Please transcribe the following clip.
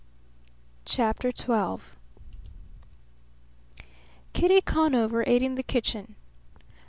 CHAPTER XII Kitty Conover ate in the kitchen.